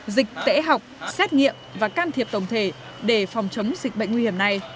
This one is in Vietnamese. dịch tễ học xét nghiệm và can thiệp tổng thể để phòng chống dịch bệnh nguy hiểm này